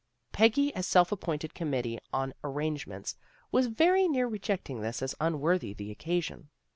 Peggy, as self appointed committee on ar rangements, was very near rejecting this as unworthy the occasion.